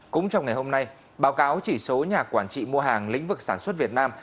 cũng trong ngày hôm nay báo cáo chỉ số nhà quản trị mua hàng lĩnh vực sản xuất việt nam